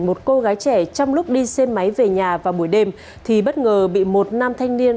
một cô gái trẻ trong lúc đi xe máy về nhà vào buổi đêm thì bất ngờ bị một nam thanh niên